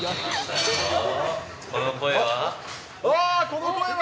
この声は？